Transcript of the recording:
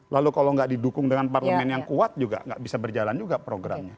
lalu kalau nggak didukung dengan parlemen yang kuat juga nggak bisa berjalan juga programnya